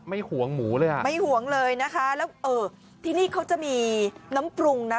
หวงหมูเลยอ่ะไม่ห่วงเลยนะคะแล้วเออที่นี่เขาจะมีน้ำปรุงนะ